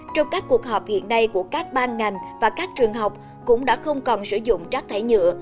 trong các cuộc họp hiện nay của các ban ngành và các trường học cũng đã không còn sử dụng rác thải nhựa